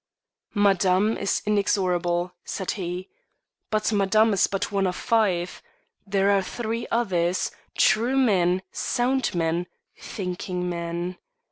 "Madame is inexorable," said he; "but Madame is but one of five. There are three others true men, sound men, thinking men.